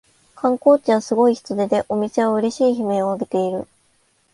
観光地はすごい人出でお店はうれしい悲鳴をあげている